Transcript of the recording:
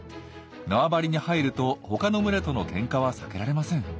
縄張りに入ると他の群れとのケンカは避けられません。